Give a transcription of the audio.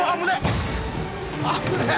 ・危ねえ！